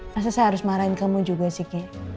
pasti saya harus marahin kamu juga sih